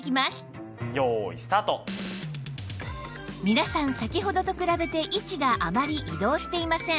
皆さん先ほどと比べて位置があまり移動していません